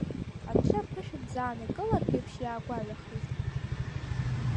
Аҽы аԥышә нӡаанакылартә еиԥш иаагәаҩахеит.